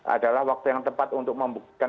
adalah waktu yang tepat untuk membuktikan